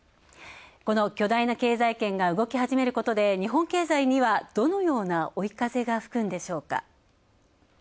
この巨大な経済圏が動き始めることで日本経済にはどのような追い風が吹くんでしょうか。